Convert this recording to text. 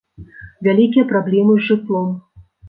Вялікія праблемы з жытлом.